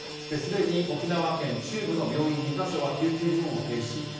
すでに沖縄県中部の病院２か所は救急部門を停止。